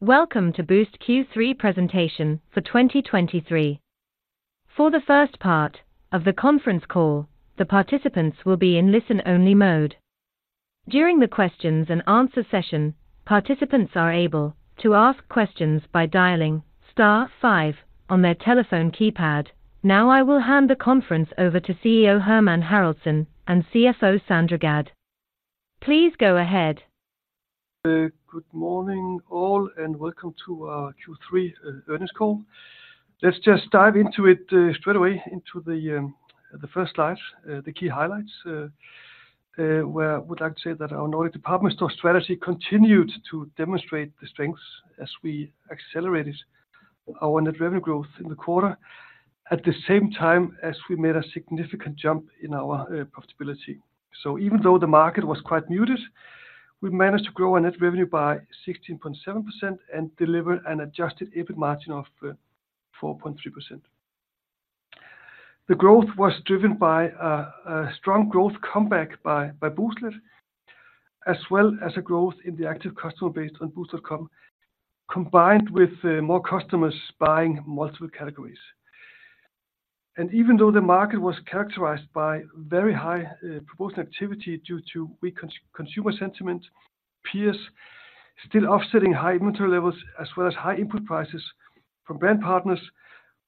Welcome to Boozt Q3 presentation for 2023. For the first part of the conference call, the participants will be in listen-only mode. During the questions-and-answer session, participants are able to ask questions by dialing star five on their telephone keypad. Now, I will hand the conference over to CEO Hermann Haraldsson and CFO Sandra Gadd. Please go ahead. Good morning, all, and welcome to our Q3 earnings call. Let's just dive into it straight away into the first slide, the key highlights, where I would like to say that our Nordic department store strategy continued to demonstrate the strengths as we accelerated our net revenue growth in the quarter, at the same time as we made a significant jump in our profitability. So even though the market was quite muted, we managed to grow our net revenue by 16.7% and deliver an Adjusted EBIT margin of 4.3%. The growth was driven by a strong growth comeback by Booztlet, as well as a growth in the active customer base on boozt.com, combined with more customers buying multiple categories. Even though the market was characterized by very high promotion activity due to weak consumer sentiment, peers still offsetting high inventory levels as well as high input prices from brand partners,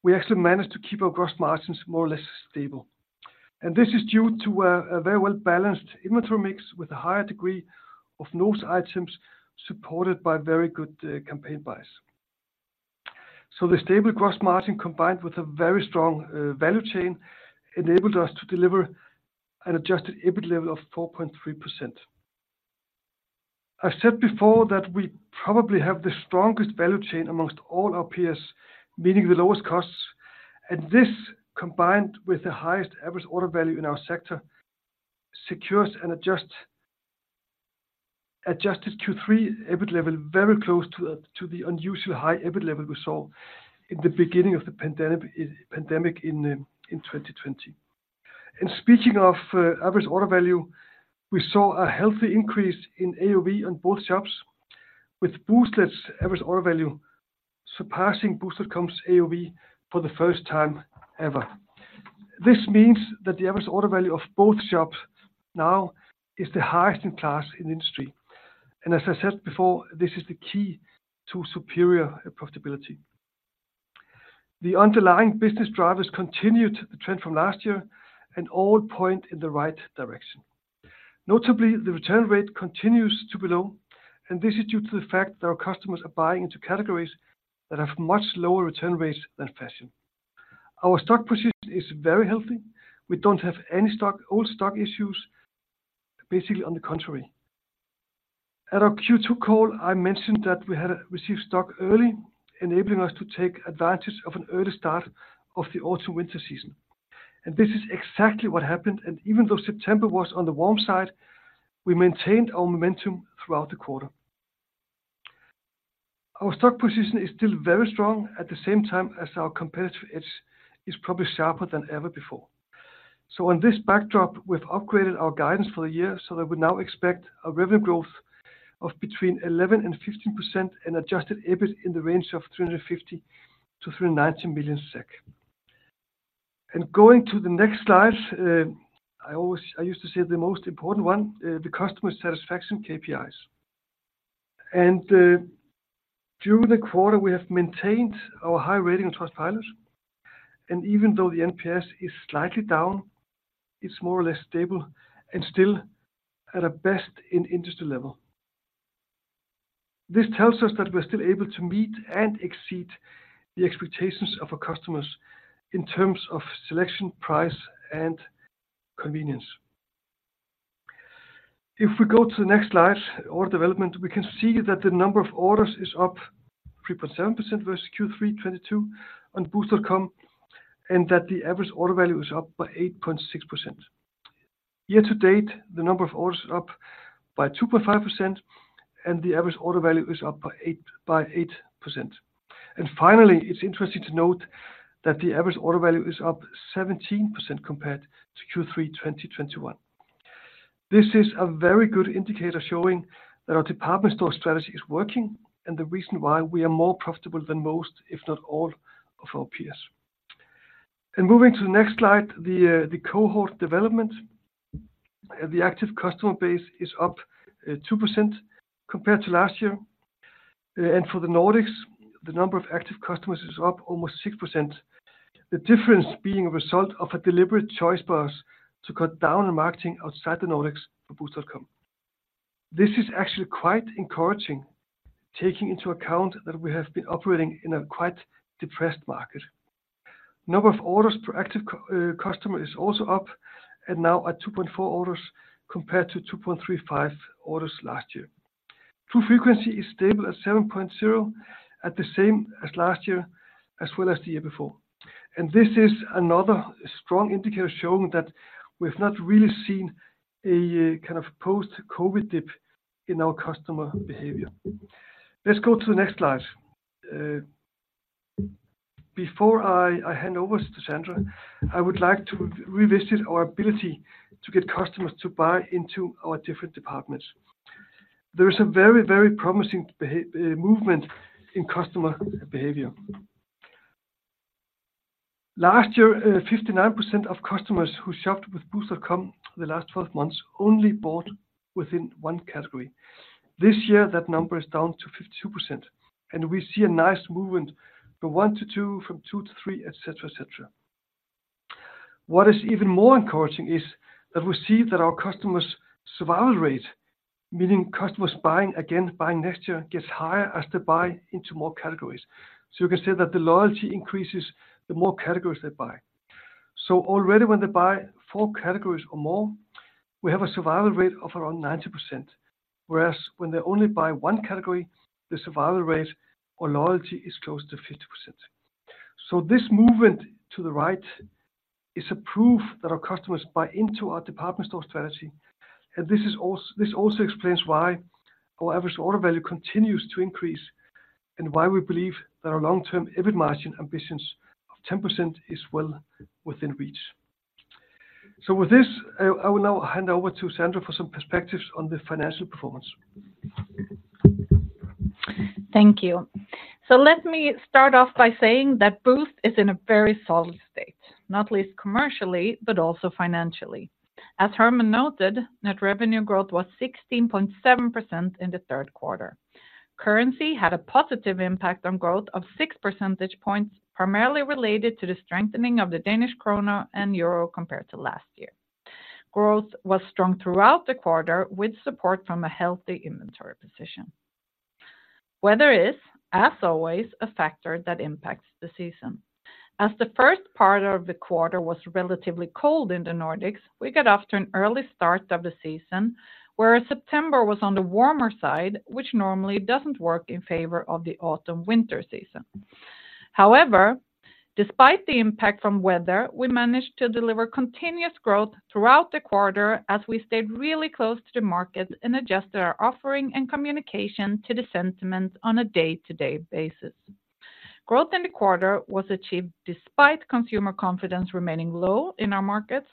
we actually managed to keep our gross margins more or less stable. This is due to a very well-balanced inventory mix with a higher degree of those items, supported by very good campaign buys. The stable gross margin, combined with a very strong value chain, enabled us to deliver an adjusted EBIT level of 4.3%. I've said before that we probably have the strongest value chain among all our peers, meaning the lowest costs, and this, combined with the highest average order value in our sector, secures an adjusted Q3 EBIT level very close to the unusually high EBIT level we saw in the beginning of the pandemic in 2020. Speaking of average order value, we saw a healthy increase in AOV on both shops, with Booztlet's average order value surpassing boozt.com's AOV for the first time ever. This means that the average order value of both shops now is the highest in class in the industry, and as I said before, this is the key to superior profitability. The underlying business drivers continued the trend from last year and all point in the right direction. Notably, the return rate continues to be low, and this is due to the fact that our customers are buying into categories that have much lower return rates than fashion. Our stock position is very healthy. We don't have any stock, old stock issues, basically, on the contrary. At our Q2 call, I mentioned that we had received stock early, enabling us to take advantage of an early start of the autumn/winter season, and this is exactly what happened, and even though September was on the warm side, we maintained our momentum throughout the quarter. Our stock position is still very strong, at the same time as our competitive edge is probably sharper than ever before. So on this backdrop, we've upgraded our guidance for the year, so that we now expect a revenue growth of between 11% and 15% and adjusted EBIT in the range of 350 million-390 million SEK. Going to the next slide, I always used to say the most important one, the customer satisfaction KPIs. During the quarter, we have maintained our high rating on Trustpilot, and even though the NPS is slightly down, it's more or less stable and still at a best-in-industry level. This tells us that we're still able to meet and exceed the expectations of our customers in terms of selection, price, and convenience. If we go to the next slide, order development, we can see that the number of orders is up 3.7% versus Q3 2022 on boozt.com, and that the average order value is up by 8.6%. Year-to-date, the number of orders is up by 2.5%, and the average order value is up by 8%. And finally, it's interesting to note that the average order value is up 17% compared to Q3 2021. This is a very good indicator showing that our department store strategy is working and the reason why we are more profitable than most, if not all, of our peers. And moving to the next slide, the cohort development. The active customer base is up 2% compared to last year. And for the Nordics, the number of active customers is up almost 6%. The difference being a result of a deliberate choice for us to cut down on marketing outside the Nordics for boozt.com. This is actually quite encouraging, taking into account that we have been operating in a quite depressed market. Number of orders per active customer is also up and now at 2.4 orders, compared to 2.35 orders last year. True frequency is stable at 7.0, at the same as last year, as well as the year before. And this is another strong indicator showing that we've not really seen a kind of post-COVID dip in our customer behavior. Let's go to the next slide. Before I hand over to Sandra, I would like to revisit our ability to get customers to buy into our different departments. There is a very, very promising movement in customer behavior. Last year, 59% of customers who shopped with boozt.com the last 12 months only bought within one category. This year, that number is down to 52%, and we see a nice movement from one to two, from two to three, et cetera, et cetera. What is even more encouraging is that we see that our customers' survival rate, meaning customers buying again, buying next year, gets higher as they buy into more categories. So you can say that the loyalty increases, the more categories they buy. So already when they buy four categories or more, we have a survival rate of around 90%, whereas when they only buy one category, the survival rate or loyalty is close to 50%. So this movement to the right is a proof that our customers buy into our department store strategy, and this also explains why our average order value continues to increase, and why we believe that our long-term EBIT margin ambitions of 10% is well within reach. So with this, I will now hand over to Sandra for some perspectives on the financial performance. Thank you. So let me start off by saying that Boozt is in a very solid state, not least commercially, but also financially. As Herman noted, net revenue growth was 16.7% in the third quarter. Currency had a positive impact on growth of 6 percentage points, primarily related to the strengthening of the Danish krona and euro compared to last year. Growth was strong throughout the quarter, with support from a healthy inventory position. Weather is, as always, a factor that impacts the season. As the first part of the quarter was relatively cold in the Nordics, we got off to an early start of the season, whereas September was on the warmer side, which normally doesn't work in favor of the autumn-winter season. However, despite the impact from weather, we managed to deliver continuous growth throughout the quarter as we stayed really close to the market and adjusted our offering and communication to the sentiment on a day-to-day basis. Growth in the quarter was achieved despite consumer confidence remaining low in our markets,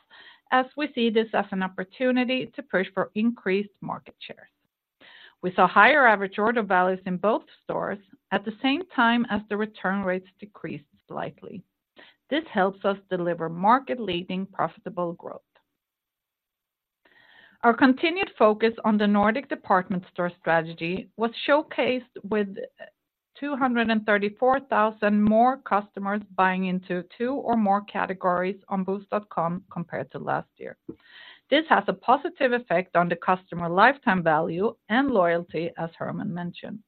as we see this as an opportunity to push for increased market shares. We saw higher average order values in both stores at the same time as the return rates decreased slightly. This helps us deliver market-leading, profitable growth. Our continued focus on the Nordic department store strategy was showcased with 234,000 more customers buying into two or more categories on boozt.com compared to last year. This has a positive effect on the customer lifetime value and loyalty, as Herman mentioned.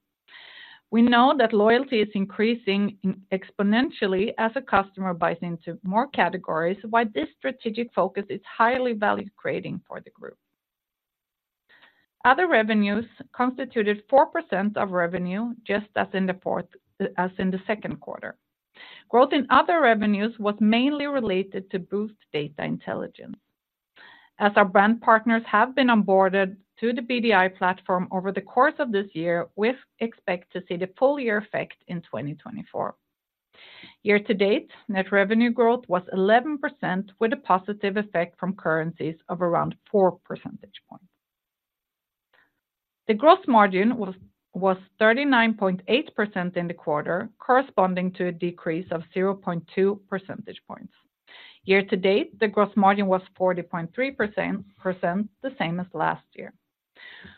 We know that loyalty is increasing exponentially as a customer buys into more categories, why this strategic focus is highly value-creating for the group. Other revenues constituted 4% of revenue, just as in the second quarter. Growth in other revenues was mainly related to Boozt Data Intelligence. As our brand partners have been onboarded to the BDI platform over the course of this year, we expect to see the full-year effect in 2024. Year-to-date, net revenue growth was 11%, with a positive effect from currencies of around 4 percentage points. The gross margin was 39.8% in the quarter, corresponding to a decrease of 0.2 percentage points. Year-to-date, the gross margin was 40.3%, the same as last year.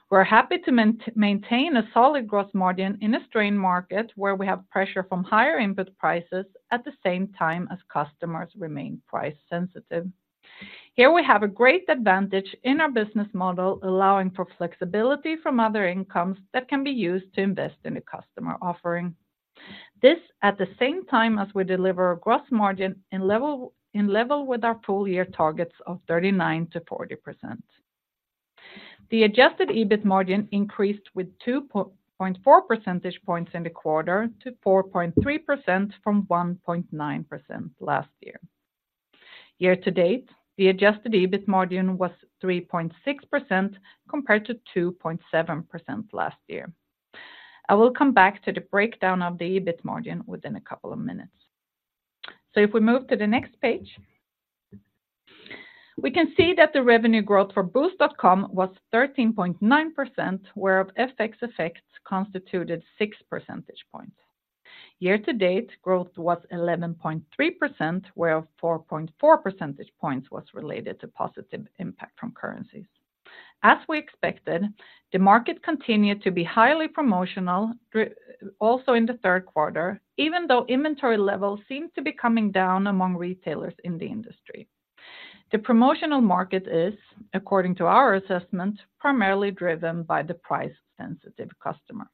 We're happy to maintain a solid gross margin in a strained market where we have pressure from higher input prices at the same time as customers remain price-sensitive. Here we have a great advantage in our business model, allowing for flexibility from other incomes that can be used to invest in the customer offering. This, at the same time as we deliver a gross margin in level, in level with our full-year targets of 39%-40%. The adjusted EBIT margin increased with 2.4 percentage points in the quarter to 4.3% from 1.9% last year. Year-to-date, the adjusted EBIT margin was 3.6%, compared to 2.7% last year. I will come back to the breakdown of the EBIT margin within a couple of minutes. So if we move to the next page, we can see that the revenue growth for boozt.com was 13.9%, where FX effects constituted 6 percentage points. Year-to-date, growth was 11.3%, where 4.4 percentage points was related to positive impact from currencies. As we expected, the market continued to be highly promotional, also in the third quarter, even though inventory levels seem to be coming down among retailers in the industry. The promotional market is, according to our assessment, primarily driven by the price-sensitive customer.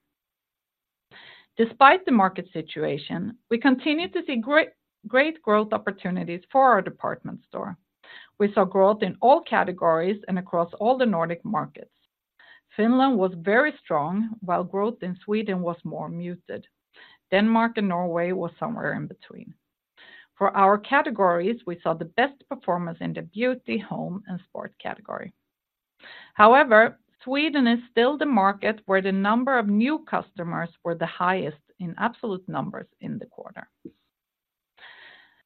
Despite the market situation, we continue to see great, great growth opportunities for our department store. We saw growth in all categories and across all the Nordic markets. Finland was very strong, while growth in Sweden was more muted. Denmark and Norway was somewhere in between. For our categories, we saw the best performance in the beauty, home, and sports category. However, Sweden is still the market where the number of new customers were the highest in absolute numbers in the quarter.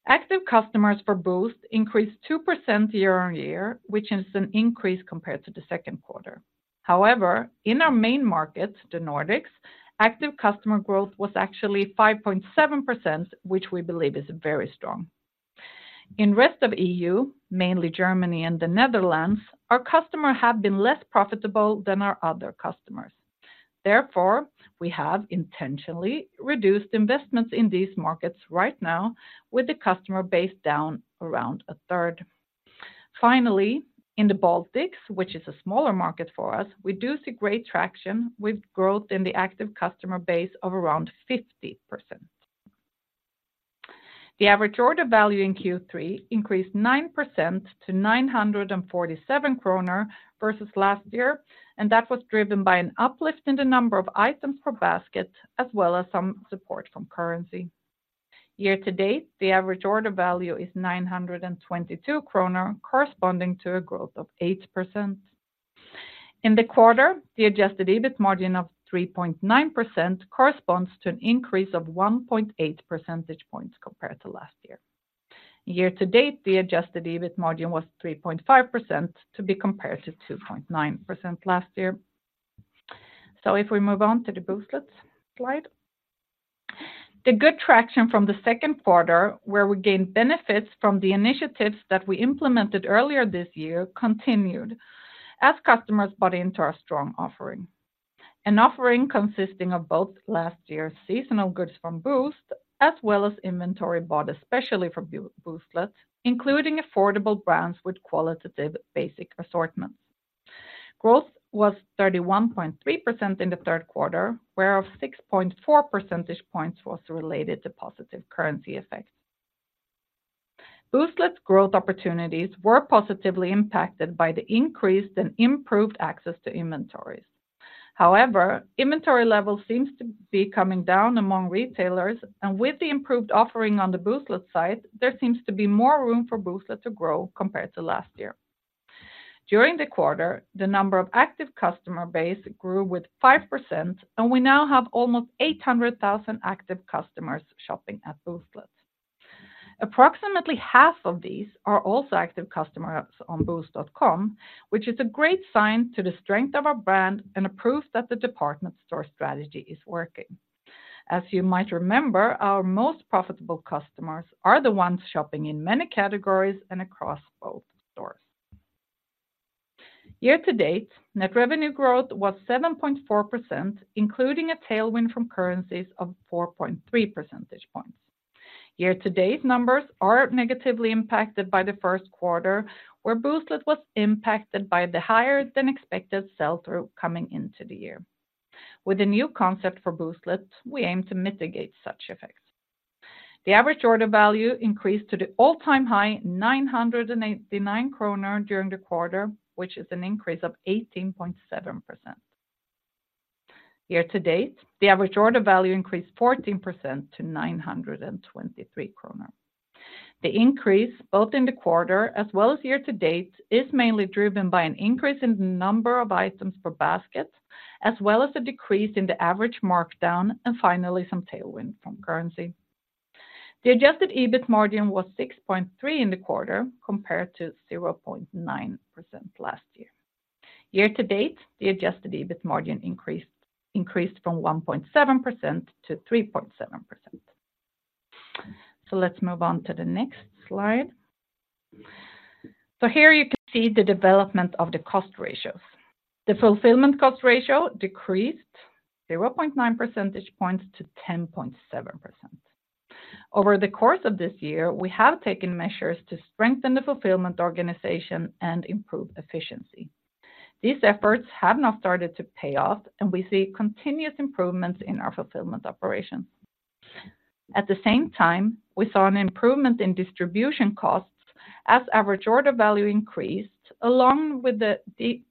Active customers for Boozt increased 2% year-on-year, which is an increase compared to the second quarter. However, in our main markets, the Nordics, active customer growth was actually 5.7%, which we believe is very strong. In Rest of EU, mainly Germany and the Netherlands, our customer have been less profitable than our other customers. Therefore, we have intentionally reduced investments in these markets right now, with the customer base down around a third. Finally, in the Baltics, which is a smaller market for us, we do see great traction with growth in the active customer base of around 50%. The average order value in Q3 increased 9% to 947 kronor versus last year, and that was driven by an uplift in the number of items per basket, as well as some support from currency. Year-to-date, the average order value is 922 kronor, corresponding to a growth of 8%. In the quarter, the Adjusted EBIT margin of 3.9% corresponds to an increase of 1.8 percentage points compared to last year. Year to date, the Adjusted EBIT margin was 3.5%, to be compared to 2.9% last year. So if we move on to the Booztlet slide. The good traction from the second quarter, where we gained benefits from the initiatives that we implemented earlier this year, continued as customers bought into our strong offering. An offering consisting of both last year's seasonal goods from Boozt, as well as inventory bought especially for Booztlet, including affordable brands with qualitative basic assortments. Growth was 31.3% in the third quarter, whereof 6.4 percentage points was related to positive currency effects. Booztlet's growth opportunities were positively impacted by the increased and improved access to inventories. However, inventory levels seem to be coming down among retailers, and with the improved offering on the Booztlet site, there seems to be more room for Booztlet to grow compared to last year. During the quarter, the number of active customer base grew with 5%, and we now have almost 800,000 active customers shopping at Booztlet. Approximately half of these are also active customers on boozt.com, which is a great sign to the strength of our brand and a proof that the department store strategy is working. As you might remember, our most profitable customers are the ones shopping in many categories and across both stores. Year to date, net revenue growth was 7.4%, including a tailwind from currencies of 4.3 percentage points. Year-to-date numbers are negatively impacted by the first quarter, where Booztlet was impacted by the higher than expected sell-through coming into the year. With a new concept for Booztlet, we aim to mitigate such effects. The average order value increased to the all-time high 989 kronor during the quarter, which is an increase of 18.7%. Year-to-date, the average order value increased 14% to 923 kronor. The increase, both in the quarter as well as year-to-date, is mainly driven by an increase in the number of items per basket, as well as a decrease in the average markdown, and finally, some tailwind from currency. The Adjusted EBIT margin was 6.3% in the quarter, compared to 0.9% last year. Year to date, the Adjusted EBIT margin increased, increased from 1.7% to 3.7%. So let's move on to the next slide. So here you can see the development of the cost ratios. The fulfillment cost ratio decreased 0.9 percentage points to 10.7%. Over the course of this year, we have taken measures to strengthen the fulfillment organization and improve efficiency. These efforts have now started to pay off, and we see continuous improvements in our fulfillment operations. At the same time, we saw an improvement in distribution costs as average order value increased, along with the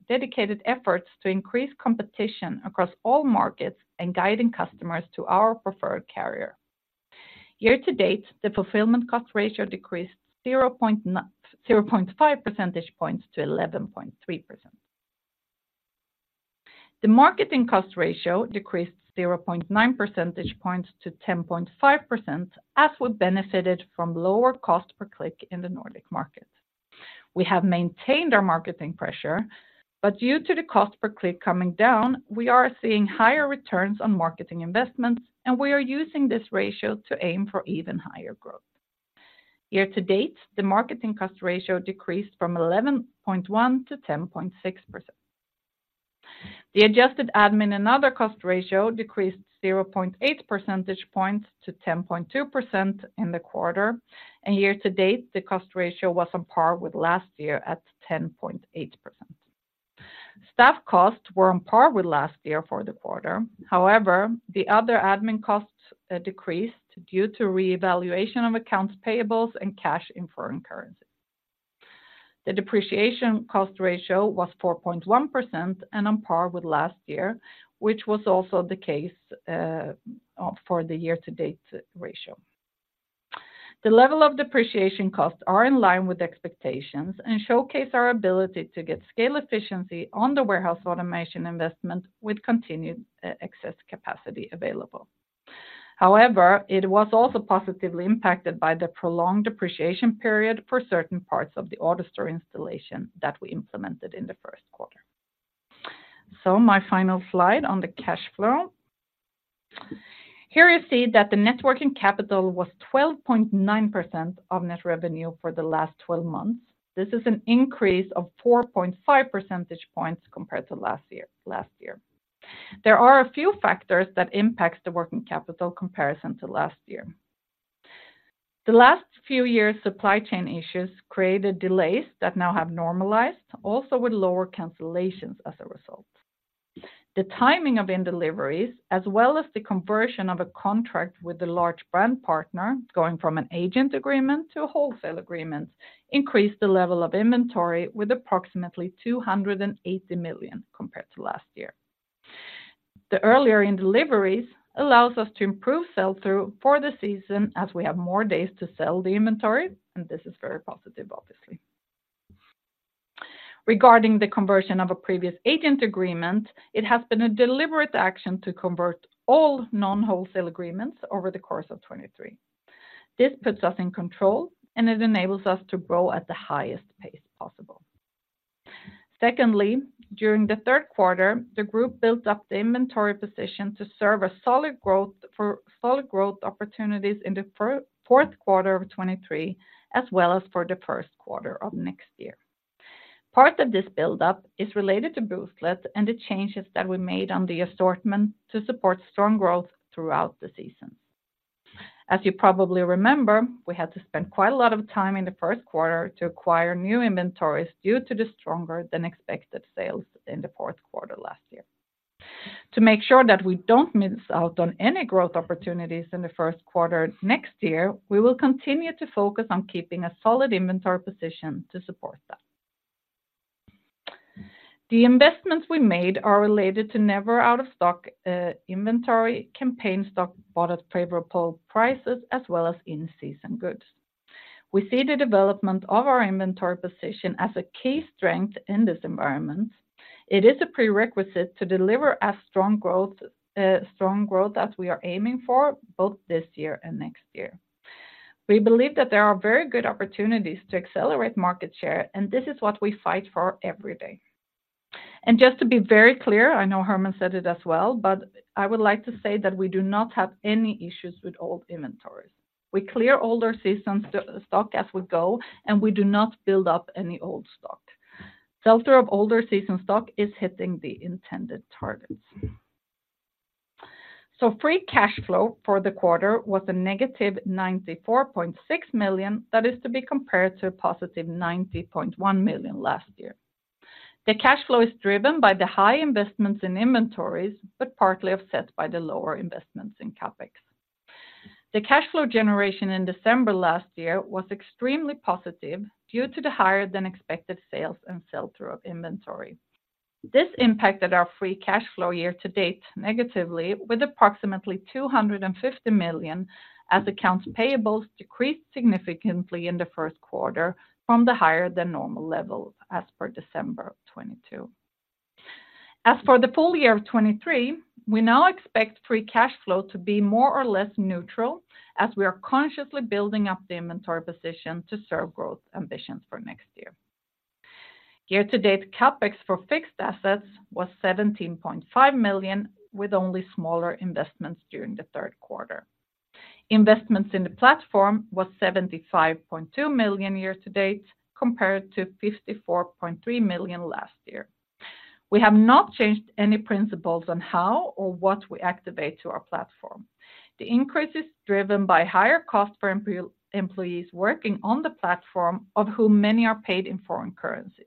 dedicated efforts to increase competition across all markets and guiding customers to our preferred carrier. Year-to-date, the fulfillment cost ratio decreased 0.5 percentage points to 11.3%. The marketing cost ratio decreased 0.9 percentage points to 10.5%, as we benefited from lower cost per click in the Nordic market. We have maintained our marketing pressure, but due to the cost per click coming down, we are seeing higher returns on marketing investments, and we are using this ratio to aim for even higher growth. Year-to-date, the marketing cost ratio decreased from 11.1%-10.6%. The adjusted admin and other cost ratio decreased 0.8 percentage points to 10.2% in the quarter, and year-to-date, the cost ratio was on par with last year at 10.8%. Staff costs were on par with last year for the quarter. However, the other admin costs decreased due to revaluation of accounts payables and cash in foreign currency. The depreciation cost ratio was 4.1% and on par with last year, which was also the case for the year to date ratio. The level of depreciation costs are in line with expectations and showcase our ability to get scale efficiency on the warehouse automation investment, with continued excess capacity available. However, it was also positively impacted by the prolonged depreciation period for certain parts of the AutoStore installation that we implemented in the first quarter. So my final slide on the cash flow. Here, you see that the Net Working Capital was 12.9% of Net Revenue for the last twelve months. This is an increase of 4.5 percentage points compared to last year, last year. There are a few factors that impacts the working capital comparison to last year. The last few years, supply chain issues created delays that now have normalized, also with lower cancellations as a result. The timing of in deliveries, as well as the conversion of a contract with a large brand partner, going from an Agent Agreement to a Wholesale Agreement, increased the level of inventory with approximately 280 million compared to last year. The earlier in deliveries allows us to improve sell-through for the season as we have more days to sell the inventory, and this is very positive, obviously. Regarding the conversion of a previous agent agreement, it has been a deliberate action to convert all non-wholesale agreements over the course of 2023. This puts us in control, and it enables us to grow at the highest pace possible. Secondly, during the third quarter, the group built up the inventory position to serve solid growth opportunities in the fourth quarter of 2023, as well as for the first quarter of next year. Part of this buildup is related to Booztlet and the changes that we made on the assortment to support strong growth throughout the season. As you probably remember, we had to spend quite a lot of time in the first quarter to acquire new inventories due to the stronger than expected sales in the fourth quarter last year. To make sure that we don't miss out on any growth opportunities in the first quarter next year, we will continue to focus on keeping a solid inventory position to support that. The investments we made are related to never out-of-stock inventory, campaign stock bought at favorable prices, as well as in-season goods. We see the development of our inventory position as a key strength in this environment. It is a prerequisite to deliver a strong growth, strong growth that we are aiming for, both this year and next year. We believe that there are very good opportunities to accelerate market share, and this is what we fight for every day. Just to be very clear, I know Herman said it as well, but I would like to say that we do not have any issues with old inventories. We clear older season stock as we go, and we do not build up any old stock. Sell-through of older season stock is hitting the intended targets. Free cash flow for the quarter was -94.6 million, that is to be compared to 90.1 million last year. The cash flow is driven by the high investments in inventories, but partly offset by the lower investments in CapEx. The cash flow generation in December last year was extremely positive due to the higher than expected sales and sell-through of inventory. This impacted our free cash flow year-to-date negatively, with approximately 250 million, as accounts payables decreased significantly in the first quarter from the higher than normal level as per December of 2022. As for the full-year of 2023, we now expect free cash flow to be more or less neutral, as we are consciously building up the inventory position to serve growth ambitions for next year. Year-to-date, CapEx for fixed assets was 17.5 million, with only smaller investments during the third quarter. Investments in the platform was 75.2 million year-to-date, compared to 54.3 million last year. We have not changed any principles on how or what we activate to our platform. The increase is driven by higher cost for employees working on the platform, of whom many are paid in foreign currencies.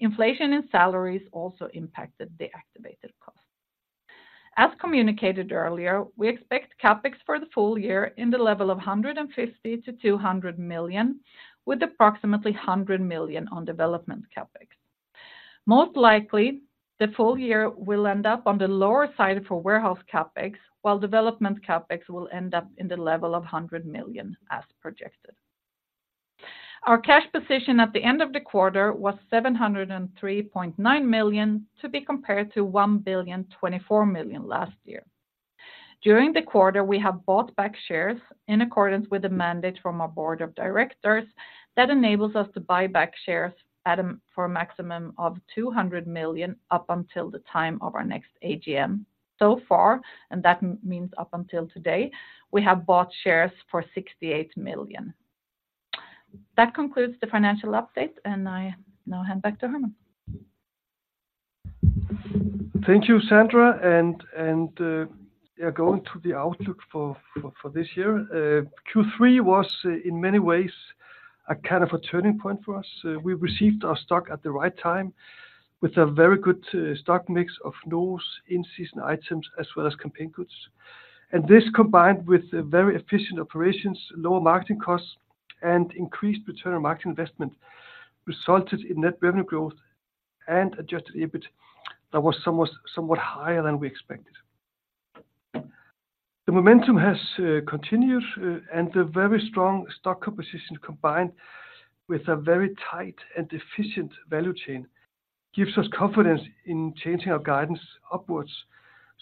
Inflation in salaries also impacted the activated cost. As communicated earlier, we expect CapEx for the full-year in the level of 150-200 million, with approximately 100 million on development CapEx. Most likely, the full-year will end up on the lower side for warehouse CapEx, while development CapEx will end up in the level of 100 million as projected. Our cash position at the end of the quarter was 703.9 million, to be compared to 1,024 million last year. During the quarter, we have bought back shares in accordance with the mandate from our board of directors that enables us to buy back shares at a, for a maximum of 200 million up until the time of our next AGM. So far, and that means up until today, we have bought shares for 68 million. That concludes the financial update, and I now hand back to Herman. Thank you, Sandra. Yeah, going to the outlook for this year, Q3 was in many ways a kind of a turning point for us. We received our stock at the right time, with a very good stock mix of new in-season items, as well as campaign goods. And this, combined with very efficient operations, lower marketing costs, and increased return on marketing investment, resulted in Net revenue growth and Adjusted EBIT that was somewhat higher than we expected. The momentum has continued, and the very strong stock composition, combined with a very tight and efficient value chain, gives us confidence in changing our guidance upwards,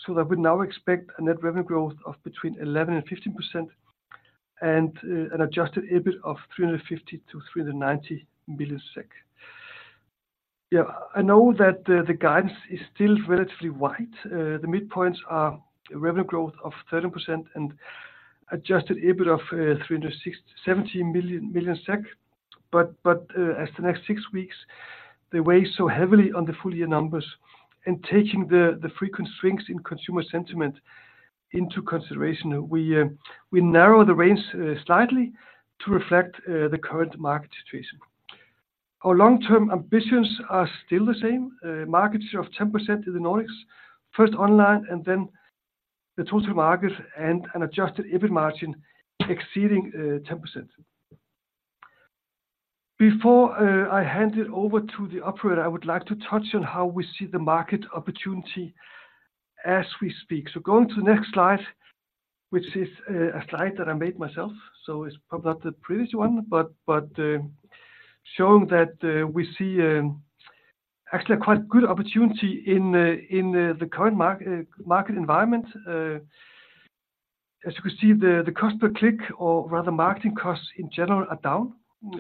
so that we now expect a Net revenue growth of between 11% and 15%, and an Adjusted EBIT of 350 million-390 million SEK. Yeah, I know that the guidance is still relatively wide. The midpoints are a revenue growth of 13% and adjusted EBIT of 367 million SEK. But as the next six weeks, they weigh so heavily on the full-year numbers, and taking the frequent strengths in consumer sentiment into consideration, we narrow the range slightly to reflect the current market situation. Our long-term ambitions are still the same, market share of 10% in the Nordics, first online, and then the total market, and an adjusted EBIT margin exceeding 10%. Before I hand it over to the operator, I would like to touch on how we see the market opportunity as we speak. So going to the next slide, which is a slide that I made myself, so it's probably not the prettiest one, but, but, showing that we see actually a quite good opportunity in, in, the current market environment. As you can see, the, the cost per click or rather, marketing costs in general are down,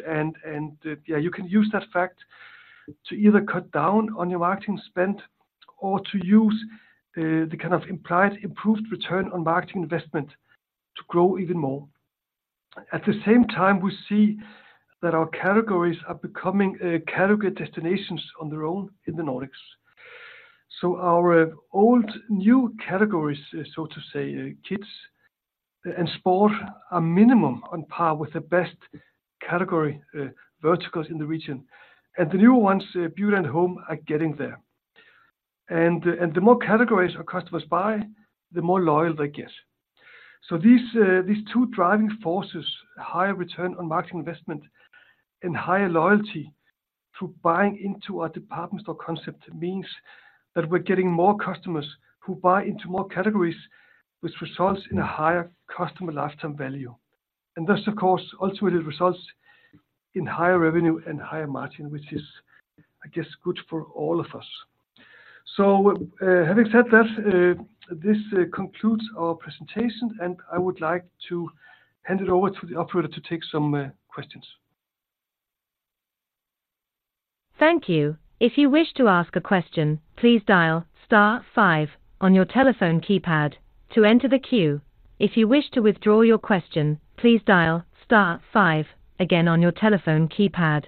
and, and, yeah, you can use that fact to either cut down on your marketing spend or to use the kind of implied improved return on marketing investment to grow even more. At the same time, we see that our categories are becoming category destinations on their own in the Nordics. So our old, new categories, so to say, kids and sport, are minimum on par with the best category, verticals in the region, and the newer ones, beauty and home, are getting there. And the more categories our customers buy, the more loyal they get. So these two driving forces, higher return on marketing investment and higher loyalty through buying into our department store concept, means that we're getting more customers who buy into more categories, which results in a higher customer lifetime value. And this, of course, ultimately results in higher revenue and higher margin, which is, I guess, good for all of us. So, having said that, this concludes our presentation, and I would like to hand it over to the operator to take some questions. Thank you. If you wish to ask a question, please dial star five on your telephone keypad to enter the queue. If you wish to withdraw your question, please dial star five again on your telephone keypad.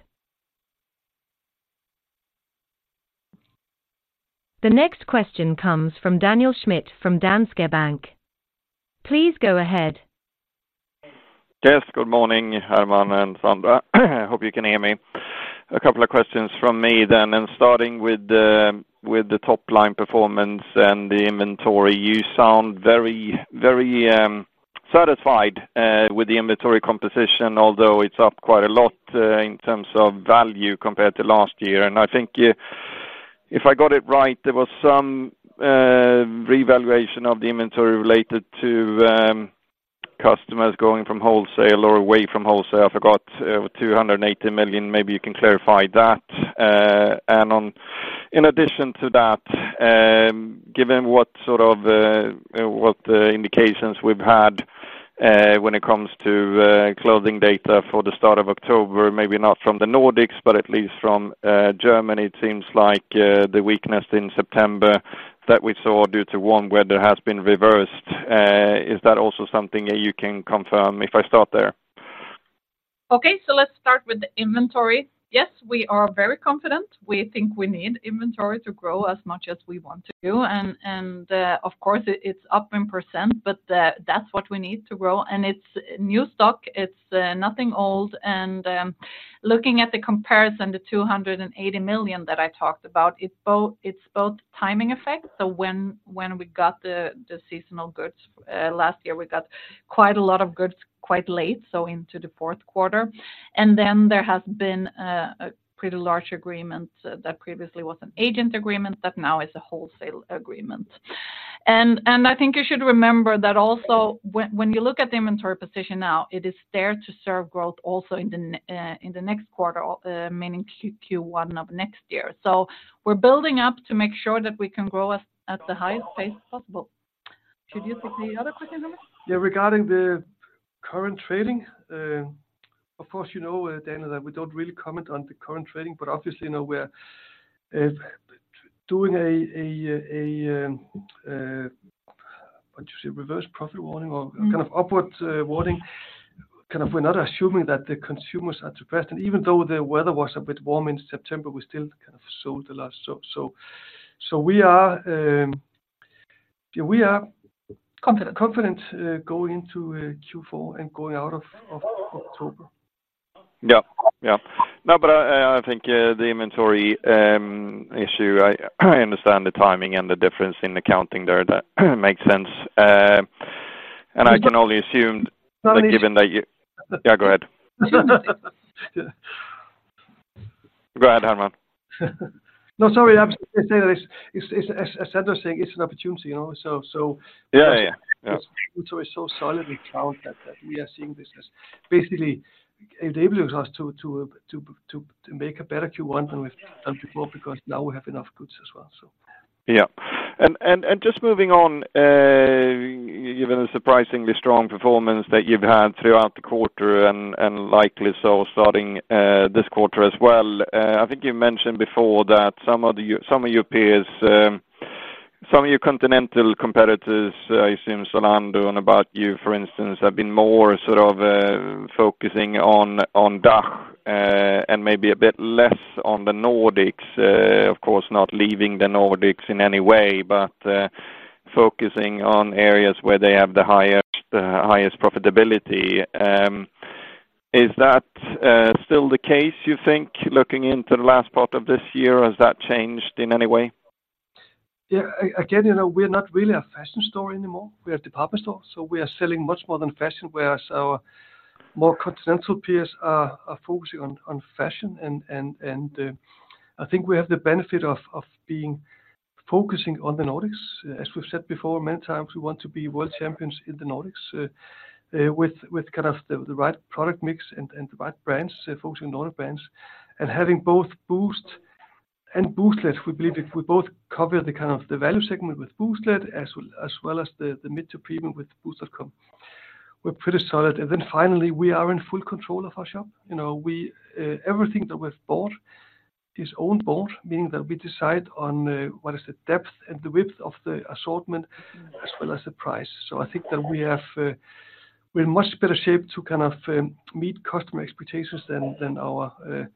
The next question comes from Daniel Schmidt from Danske Bank. Please go ahead. Yes, good morning, Herman and Sandra. I hope you can hear me. A couple of questions from me then, and starting with the top-line performance and the inventory, you sound very, very satisfied with the inventory composition, although it's up quite a lot in terms of value compared to last year. And I think, if I got it right, there was some revaluation of the inventory related to customers going from wholesale or away from wholesale. I forgot 280 million. Maybe you can clarify that. And on... In addition to that, given what sort of, what the indications we've had, when it comes to, clothing data for the start of October, maybe not from the Nordics, but at least from, Germany, it seems like, the weakness in September that we saw due to warm weather has been reversed. Is that also something that you can confirm? If I stop there. Okay, so let's start with the inventory. Yes, we are very confident. We think we need inventory to grow as much as we want to. And, of course, it's up in percent, but, that's what we need to grow. And it's new stock, it's nothing old. And, looking at the comparison, the 280 million that I talked about, it's both timing effect, so when we got the seasonal goods. Last year, we got quite a lot of goods, quite late, so into the fourth quarter. And then there has been a pretty large agreement, that previously was an Agent Agreement, but now is a Wholesale Agreement. And I think you should remember that also when you look at the inventory position now, it is there to serve growth also in the next quarter, meaning Q1 of next year. So we're building up to make sure that we can grow at the highest pace possible. Should you take the other question, Herman? Yeah, regarding the current trading, of course, you know, Daniel, that we don't really comment on the current trading, but obviously, you know, we're doing what you say, reverse profit warning or- Mm-hmm... kind of upward warning. Kind of we're not assuming that the consumers are depressed, and even though the weather was a bit warm in September, we still kind of sold a lot. So we are, yeah, we are confident going into Q4 and going out of October. Yeah. Yeah. No, but I think the inventory issue. I understand the timing and the difference in accounting there. That makes sense... And I can only assume that given that you-- Yeah, go ahead. Go ahead, Herman. No, sorry. I'm saying, as Sandra's saying, it's an opportunity, you know, so, so- Yeah, yeah. Yeah. So it's so solid with cloud that we are seeing this as basically enabling us to make a better Q1 than we've done before, because now we have enough goods as well, so. Yeah. And just moving on, given the surprisingly strong performance that you've had throughout the quarter and likely so starting this quarter as well. I think you've mentioned before that some of your peers, some of your continental competitors, I assume Zalando and About You, for instance, have been more sort of focusing on DACH, and maybe a bit less on the Nordics. Of course, not leaving the Nordics in any way, but focusing on areas where they have the highest profitability. Is that still the case, you think, looking into the last part of this year? Has that changed in any way? Yeah, again, you know, we're not really a fashion store anymore, we're a department store, so we are selling much more than fashion, whereas our more continental peers are focusing on fashion, and I think we have the benefit of being focusing on the Nordics. As we've said before, many times, we want to be world champions in the Nordics, with kind of the right product mix and the right brands, focusing on Nordic brands, and having both Boozt and Booztlet. We believe we both cover the kind of the value segment with Booztlet, as well as the mid to premium with boozt.com. We're pretty solid. And then finally, we are in full control of our shop. You know, we, everything that we've bought is owned, bought, meaning that we decide on what is the depth and the width of the assortment, as well as the price. So I think that we have, we're in much better shape to kind of meet customer expectations than our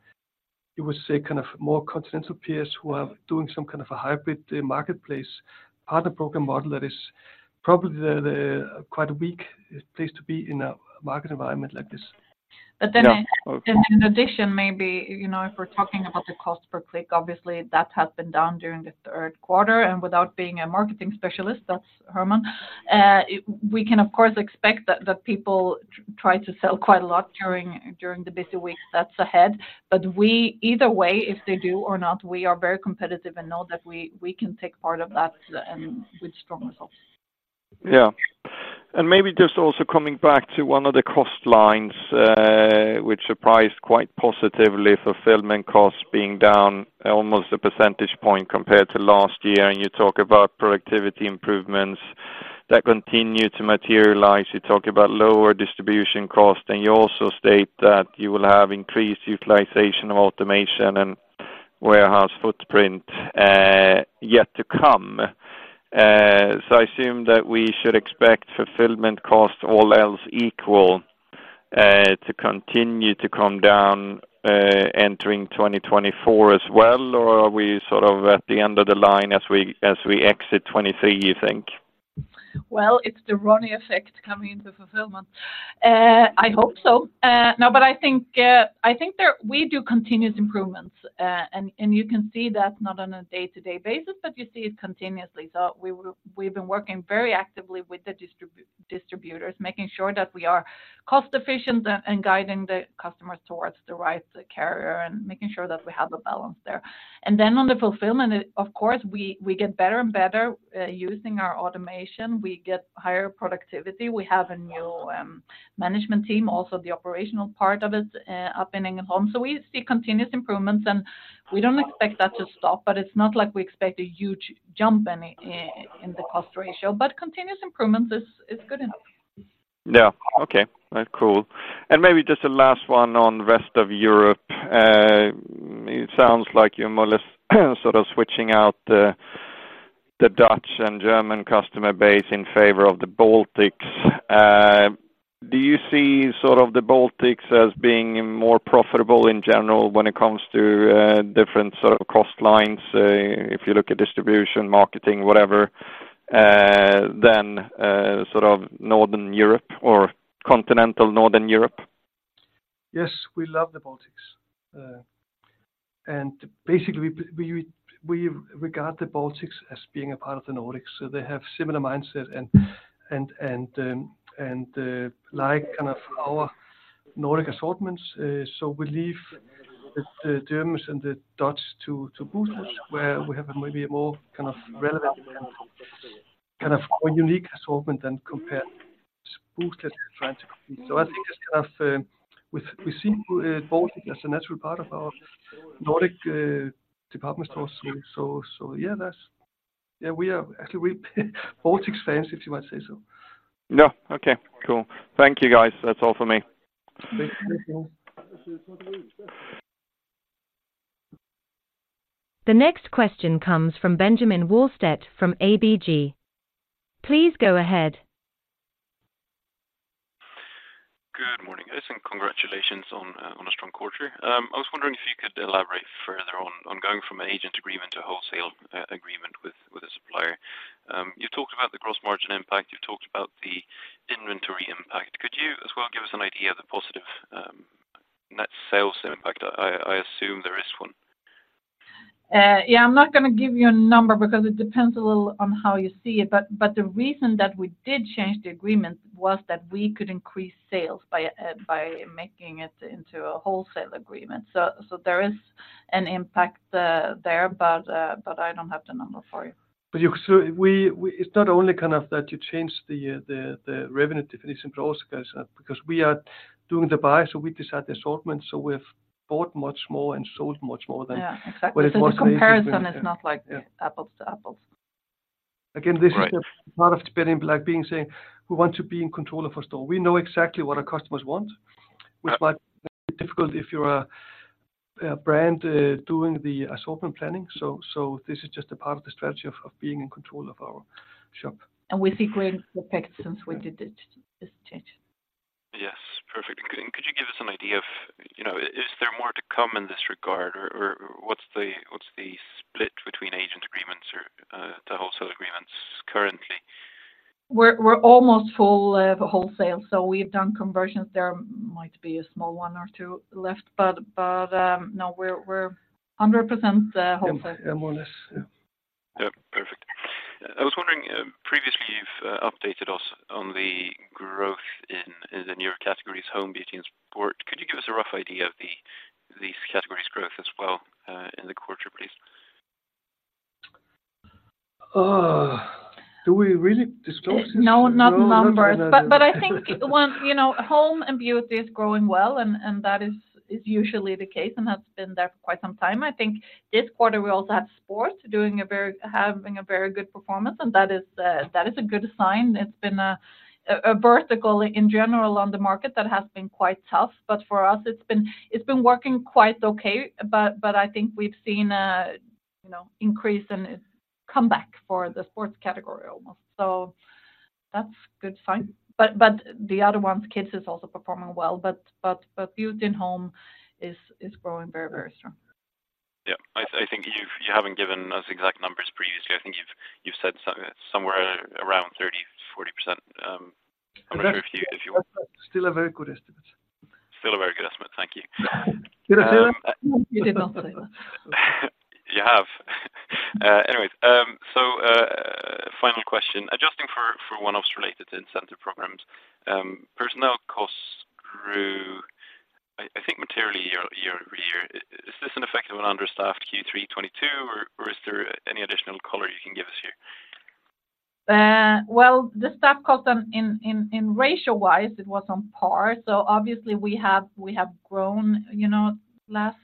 you would say, kind of more continental peers who are doing some kind of a hybrid marketplace, partner program model that is probably the quite a weak place to be in a market environment like this. But then- Yeah. In addition, maybe, you know, if we're talking about the cost per click, obviously that has been down during the third quarter, and without being a marketing specialist, that's Herman. We can, of course, expect that people try to sell quite a lot during the busy week that's ahead. But either way, if they do or not, we are very competitive and know that we can take part of that and with strong results. Yeah. And maybe just also coming back to one of the cost lines, which surprised quite positively, fulfillment costs being down almost a percentage point compared to last year, and you talk about productivity improvements that continue to materialize. You talk about lower distribution costs, and you also state that you will have increased utilization of automation and warehouse footprint, yet to come. So I assume that we should expect fulfillment costs, all else equal, to continue to come down, entering 2024 as well, or are we sort of at the end of the line as we exit 2023, you think? Well, it's the Ronny effect coming into fulfillment. I hope so. No, but I think, I think we do continuous improvements, and you can see that not on a day-to-day basis, but you see it continuously. So we've been working very actively with the distributors, making sure that we are cost efficient and guiding the customers towards the right carrier and making sure that we have a balance there. And then on the fulfillment, of course, we get better and better. Using our automation, we get higher productivity. We have a new management team, also the operational part of it, up and at home. So we see continuous improvements, and we don't expect that to stop, but it's not like we expect a huge jump in the cost ratio, but continuous improvements is good enough. Yeah. Okay, cool. And maybe just a last one on rest of Europe. It sounds like you're more or less sort of switching out the Dutch and German customer base in favor of the Baltics. Do you see sort of the Baltics as being more profitable in general when it comes to different sort of cost lines, if you look at distribution, marketing, whatever, than sort of Northern Europe or continental Northern Europe? Yes, we love the Baltics. And basically, we regard the Baltics as being a part of the Nordics, so they have similar mindset and like kind of our Nordic assortments. So we leave the Germans and the Dutch to Boozt, where we have maybe a more kind of relevant, kind of more unique assortment than compared Boozt that you're trying to compete. So I think it's kind of, we see Baltics as a natural part of our Nordic department store. So yeah, that's yeah, we are actually, we're Baltics fans, if you might say so. No. Okay, cool. Thank you, guys. That's all for me. Thank you. The next question comes from Benjamin Wahlstedt from ABG. Please go ahead. Good morning, guys, and congratulations on a strong quarter. I was wondering if you could elaborate further on going from an Agent Agreement to a Wholesale Agreement with a supplier. You've talked about the Gross Margin impact, you've talked about the inventory impact. Could you as well give us an idea of the positive net sales impact? I assume there is one. ... Yeah, I'm not going to give you a number because it depends a little on how you see it, but the reason that we did change the agreement was that we could increase sales by making it into a wholesale agreement. So there is an impact there, but I don't have the number for you. But you could—we, it's not only kind of that you change the revenue definition, but also because we are doing the buy, so we decide the assortment, so we've bought much more and sold much more than- Yeah, exactly. When it was- The comparison is not like- Yeah... apples to apples. Again, this is- Right Part of depending, like being saying, we want to be in control of our store. We know exactly what our customers want, which might be difficult if you're a, a brand doing the assortment planning. So, so this is just a part of the strategy of, of being in control of our shop. We see great effects since we did it, this change. Yes, perfect. Could you give us an idea of, you know, is there more to come in this regard, or what's the split between Agent Agreements or the Wholesale Agreements currently? We're almost full wholesale, so we've done conversions. There might be a small one or two left, but no, we're 100% wholesale. Yeah, more or less. Yeah. Yep. Perfect. I was wondering, previously you've updated us on the growth in the newer categories, home, beauty, and sport. Could you give us a rough idea of these categories' growth as well, in the quarter, please? Do we really disclose this? No, not numbers. No, not But I think when, you know, home and beauty is growing well, and that is usually the case and has been there for quite some time. I think this quarter we also have sports having a very good performance, and that is a good sign. It's been a vertical in general on the market that has been quite tough, but for us, it's been working quite okay. But I think we've seen a, you know, increase and a comeback for the sports category almost. So that's good sign. But the other ones, kids, is also performing well, but beauty and home is growing very, very strongly. Yeah. I think you haven't given us exact numbers previously. I think you've said somewhere around 30%-40%. I'm not sure if you, if you- Still a very good estimate. Still a very good estimate. Thank you. Did I say that? You did well today. You have. Anyways, so, final question: adjusting for, for one-offs related to incentive programs, personnel costs grew, I think materially year-over-year. Is this an effect of an understaffed Q3 2022, or is there any additional color you can give us here? Well, the staff cost them in ratio wise, it was on par, so obviously we have grown. You know, last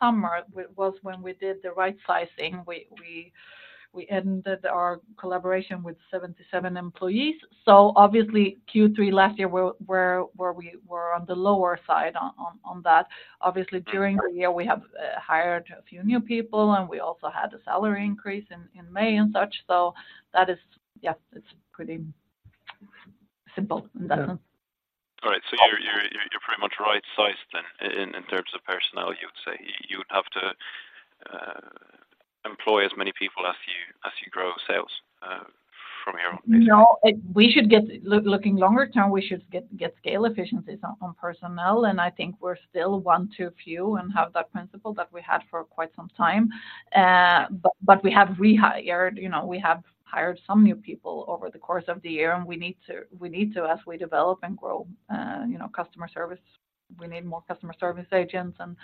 summer was when we did the right sizing. We ended our collaboration with 77 employees, so obviously Q3 last year we were on the lower side on that. Obviously, during the year, we have hired a few new people, and we also had a salary increase in May and such. So that is, yeah, it's pretty simple in that sense. All right. So you're pretty much right-sized then, in terms of personnel, you would say. You would have to employ as many people as you grow sales from here on, basically? No, we should get, looking longer term, we should get scale efficiencies on personnel, and I think we're still one too few and have that principle that we had for quite some time. But we have rehired, you know, we have hired some new people over the course of the year, and we need to, as we develop and grow, you know, customer service, we need more customer service agents and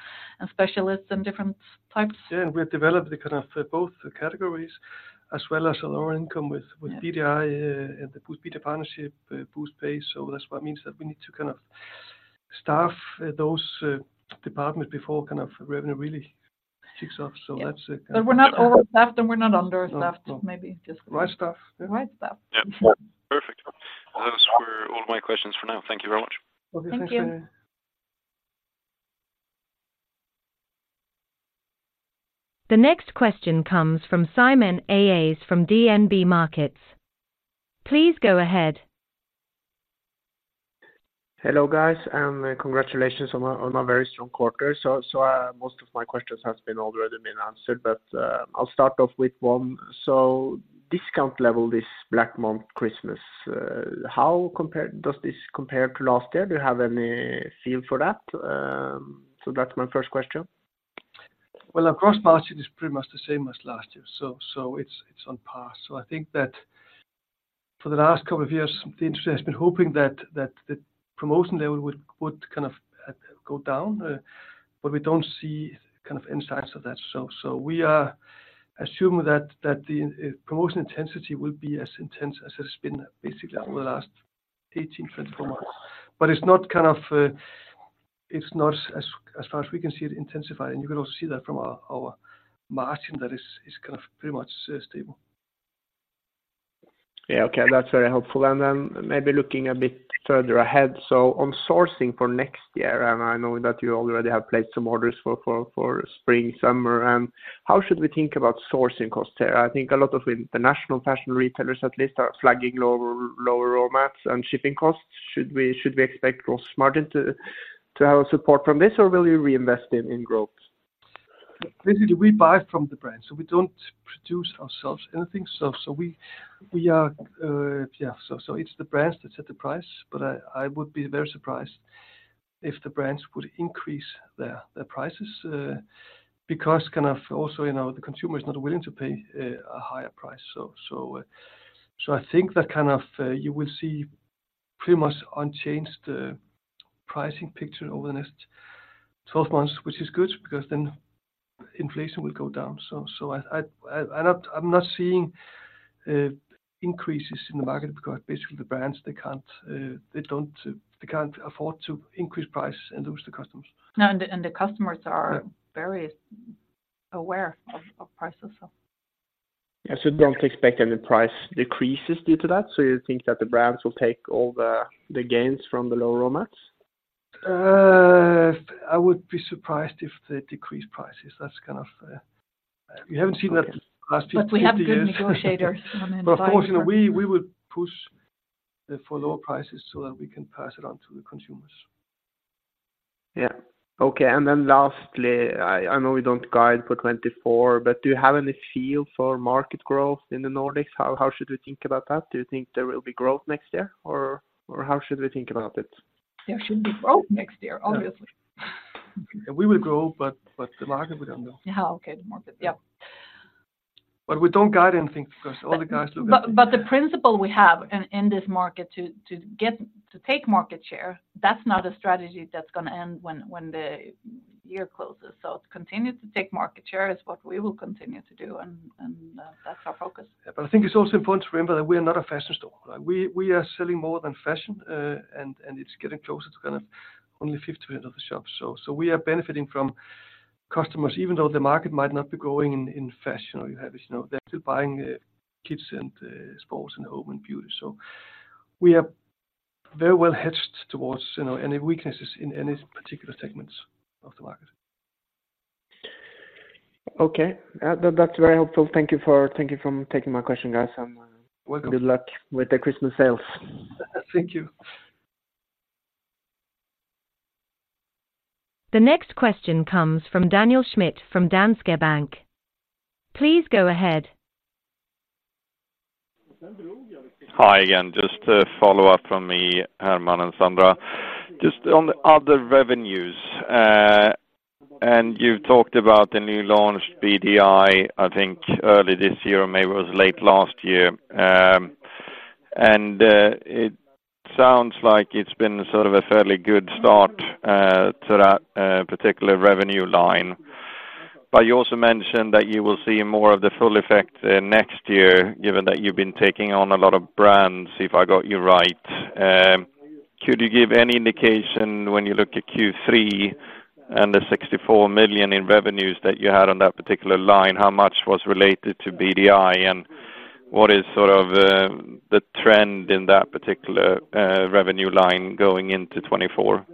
specialists and different types. Yeah, and we have developed the kind of both categories as well as a lower income with BDI, and the Boozt Media Partnership, BooztPay. So that's what means that we need to kind of staff those departments before kind of revenue really kicks off. Yeah. So that's. But we're not overstaffed, and we're not understaffed. No. Maybe just- Right staffed, yeah. Right staffed. Yeah. Perfect. Well, those were all my questions for now. Thank you very much. Okay, thanks very- Thank you. The next question comes from Simen Aas from DNB Markets. Please go ahead. Hello, guys, and congratulations on a, on a very strong quarter. So, most of my questions has been already been answered, but, I'll start off with one. So discount level this black month, Christmas, does this compare to last year? Do you have any feel for that? So that's my first question. Well, gross margin, it is pretty much the same as last year, so it's on par. So I think that for the last couple of years, the industry has been hoping that the promotion level would kind of go down, but we don't see kind of signs of that. So we are assuming that the promotion intensity will be as intense as it has been basically over the last 18, 24 months. But it's not kind of, it's not as far as we can see it intensify, and you can also see that from our gross margin that is kind of pretty much stable. Yeah, okay. That's very helpful. And then maybe looking a bit further ahead, so on sourcing for next year, and I know that you already have placed some orders for spring, summer. How should we think about sourcing costs there? I think a lot of international fashion retailers at least are flagging lower raw materials and shipping costs. Should we expect gross margin to have support from this, or will you reinvest in growth? Basically, we buy from the brand, so we don't produce ourselves anything. It's the brand that set the price, but I would be very surprised if the brands would increase their prices, because kind of also, you know, the consumer is not willing to pay a higher price. So I think that kind of you will see pretty much unchanged pricing picture over the next 12 months, which is good because then inflation will go down. So I'm not seeing increases in the market because basically the brands, they can't afford to increase price and lose the customers. No, and the customers are very aware of prices, so. Yeah. So you don't expect any price decreases due to that? So you think that the brands will take all the gains from the low raw mats? I would be surprised if they decrease prices. That's kind of, we haven't seen that last 50 years. We have good negotiators on the buying front. But of course, we would push for lower prices so that we can pass it on to the consumers. Yeah. Okay. And then lastly, I know we don't guide for 2024, but do you have any feel for market growth in the Nordics? How should we think about that? Do you think there will be growth next year, or how should we think about it? There should be growth next year, obviously. Yeah, we will grow, but the market, we don't know. Yeah. Okay, the market. Yep. But we don't guide anything because all the guys look at- The principle we have in this market to take market share, that's not a strategy that's gonna end when the year closes. To continue to take market share is what we will continue to do, and that's our focus. Yeah, but I think it's also important to remember that we are not a fashion store. We are selling more than fashion, and it's getting closer to kind of only 50 minutes of the shop. So we are benefiting from customers, even though the market might not be growing in fashion, or you have, you know, they're still buying kids and sports and home and beauty. So we are very well hedged towards, you know, any weaknesses in any particular segments of the market. Okay, that's very helpful. Thank you for taking my question, guys. I'm- Welcome. Good luck with the Christmas sales. Thank you. The next question comes from Daniel Schmidt, from Danske Bank. Please go ahead. Hi again. Just to follow up from me, Herman and Sandra, just on the other revenues, and you talked about the new launched BDI, I think early this year, or maybe it was late last year. It sounds like it's been sort of a fairly good start to that particular revenue line. But you also mentioned that you will see more of the full effect next year, given that you've been taking on a lot of brands, if I got you right. Could you give any indication when you look at Q3 and the 64 million in revenues that you had on that particular line, how much was related to BDI, and what is sort of the trend in that particular revenue line going into 2024?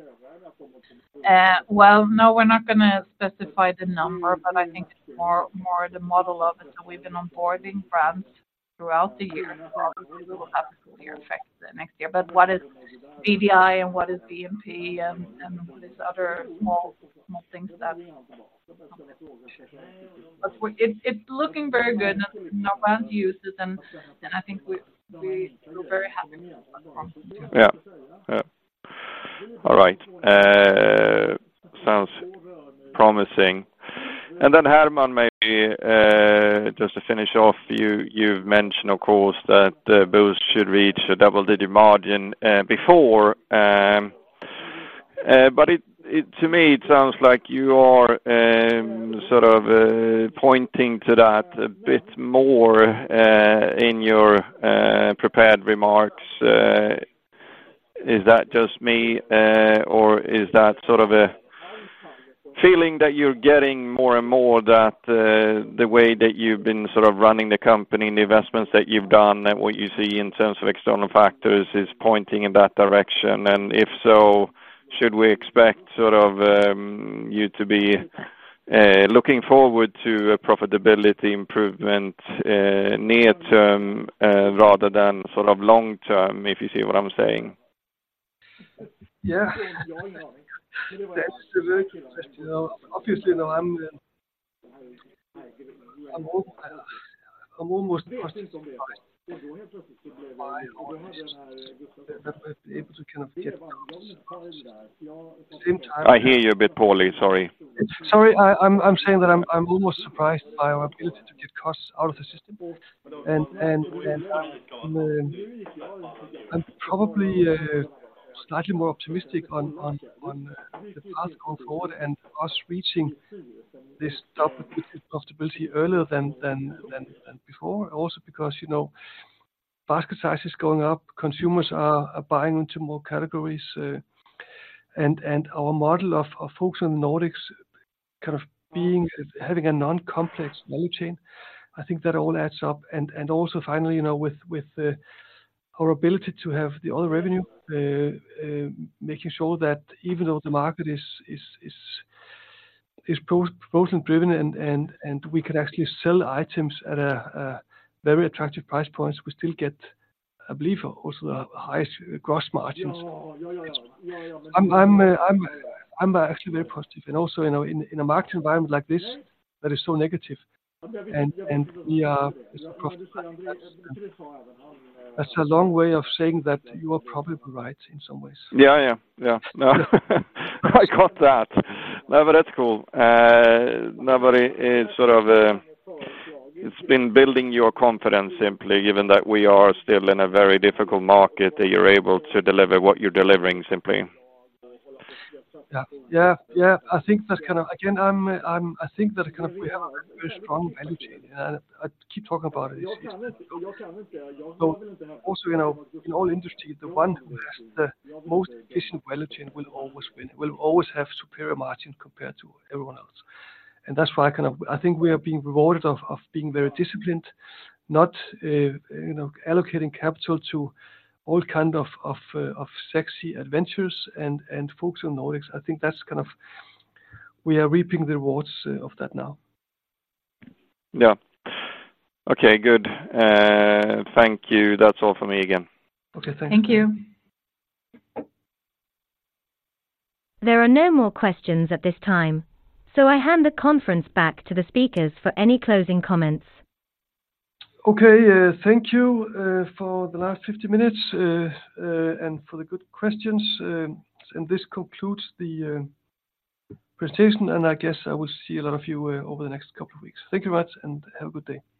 Well, no, we're not gonna specify the number, but I think it's more, more the model of it. So we've been onboarding brands throughout the year, so we'll have a clear effect next year. But what is BDI and what is BMP and, and these other small, small things that... But we—it's, it's looking very good, and our brand uses, and, and I think we, we feel very happy with that product. Yeah. Yeah. All right. Sounds promising. And then, Herman, maybe, just to finish off, you, you've mentioned, of course, that the Boozt should reach a double-digit margin, before. But it, to me, it sounds like you are, sort of, pointing to that a bit more, in your, prepared remarks. Is that just me, or is that sort of a feeling that you're getting more and more that, the way that you've been sort of running the company and the investments that you've done and what you see in terms of external factors is pointing in that direction? And if so, should we expect sort of, you to be, looking forward to a profitability improvement, near term, rather than sort of long term, if you see what I'm saying? Yeah. That's a very good question. Obviously, no, I'm almost surprised by our ability to kind of get- I hear you a bit poorly. Sorry. Sorry, I'm saying that I'm almost surprised by our ability to get costs out of the system. And I'm probably slightly more optimistic on the path going forward and us reaching this top profitability earlier than before. Also, because, you know, basket size is going up, consumers are buying into more categories, and our model of focus on the Nordics kind of being having a non-complex value chain, I think that all adds up. And also finally, you know, with our ability to have the other revenue making sure that even though the market is promotion driven and we can actually sell items at a very attractive price points, we still get, I believe, also the highest gross margins. I'm actually very positive and also, you know, in a market environment like this that is so negative, and we are... That's a long way of saying that you are probably right in some ways. Yeah, yeah. Yeah. No, I got that. No, but that's cool. Nobody is sort of, it's been building your confidence simply given that we are still in a very difficult market, that you're able to deliver what you're delivering, simply. Yeah. Yeah, yeah. I think that's kind of... Again, I'm-- I think that kind of we have a very strong value chain, and I keep talking about it. So also, you know, in all industry, the one who has the most efficient value chain will always win, will always have superior margin compared to everyone else. And that's why I kind of-- I think we are being rewarded of, of being very disciplined, not, you know, allocating capital to all kind of sexy adventures and, and focus on Nordics. I think that's kind of-- we are reaping the rewards, of that now. Yeah. Okay, good. Thank you. That's all for me again. Okay, thank you. Thank you. There are no more questions at this time, so I hand the conference back to the speakers for any closing comments. Okay, thank you for the last 50 minutes and for the good questions, and this concludes the presentation, and I guess I will see a lot of you over the next couple of weeks. Thank you much, and have a good day.